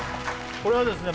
これはですね